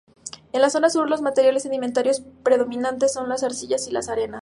En la zona sur los materiales sedimentarios predominantes son las arcillas y las arenas.